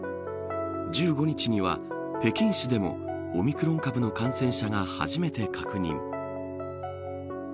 １５日には、北京市でもオミクロン株の感染者が初めて確認。